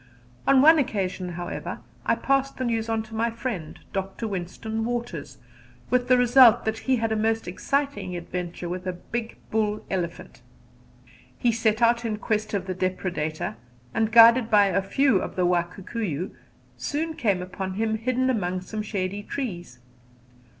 On one occasion, however, I passed the news on to my friend, Dr. Winston Waters, with the result that he had a most exciting adventure with a big bull elephant. He set out in quest of the depredator, and, guided by a few of the Wa Kikuyu, soon came upon him hidden among some shady trees.